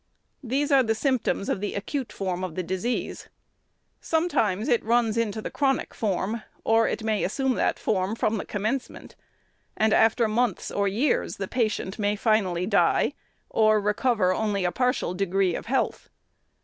These are the symptoms of the acute form of the disease. Sometimes it runs into the chronic form, or it may assume that form from the commencement; and, after months or years, the patient may finally die, or recover only a partial degree of health.